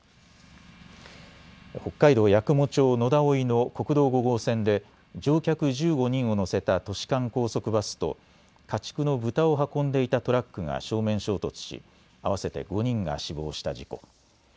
北海道八雲町野田生の国道５号線で乗客１５人を乗せた都市間高速バスと家畜の豚を運んでいたトラックが正面衝突し合わせて５人が死亡した事故。